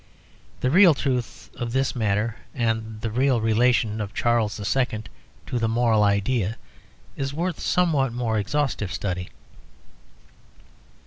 The real truth of this matter and the real relation of Charles II. to the moral ideal is worth somewhat more exhaustive study.